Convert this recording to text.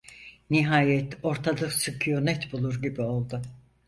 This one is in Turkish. Nihayet ortalık sükunet bulur gibi oldu.